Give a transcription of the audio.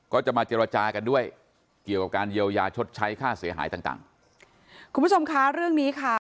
ก็จะมาเจรจากันด้วยเกี่ยวกับการเยียวยาชดใช้ค่าเสียหายต่างต่างคุณผู้ชมคะเรื่องนี้ค่ะ